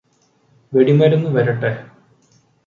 വെടിമരുന്ന് വരട്ടെ